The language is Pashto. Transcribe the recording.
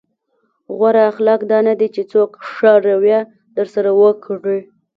غوره اخلاق دا نه دي چې څوک ښه رويه درسره وکړي.